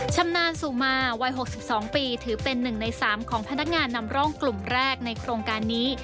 ชำนาญสุมาวัย๖๒ปีถือเป็น๑ใน๓ของพนักงานนำร่องกลุ่มแรกในโครงการนี้